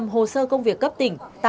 tám mươi năm hồ sơ công việc cấp huyện